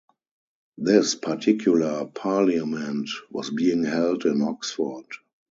This particular parliament was being held in Oxford.